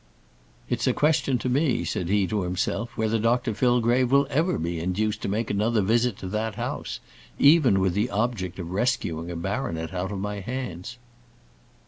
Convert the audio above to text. "It's a question to me," said he to himself, "whether Dr Fillgrave will ever be induced to make another visit to that house, even with the object of rescuing a baronet out of my hands."